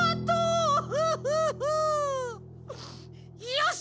よし！